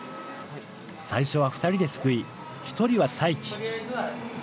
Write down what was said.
最初は２人ですくい、１人は待機。